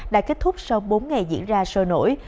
đã kết thúc sau bốn ngày diễn ra sôi nổi